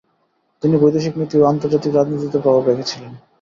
তিনি বৈদেশিক নীতি ও আন্তর্জাতিক রাজনীতিতেও প্রভাব রেখেছিলেন।